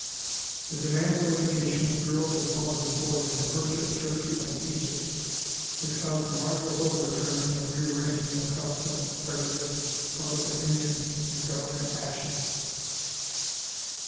The demand for education of girls as well as of boys in Persia, Turkey, and Egypt has caused a marvelous overturning and re arranging of custom, prejudice, public opinion, and government action.